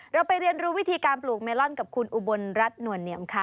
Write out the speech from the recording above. เราไปเรียนรู้วิธีการปลูกเมลอนกับคุณอุบลรัฐนวลเนียมค่ะ